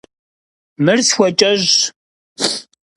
Mır se sxueç'eş'ş.